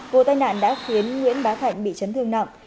vụ tai nạn đã khiến nguyễn bá thạnh bị chấn thương nặng